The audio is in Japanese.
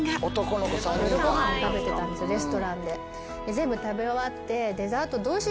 全部食べ終わって。